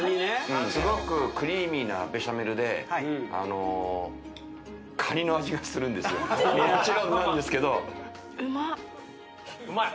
すごくクリーミーなベシャメルであのーカニの味がするんですよもちろんなんですけどうまっうまい？